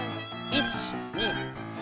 １２３。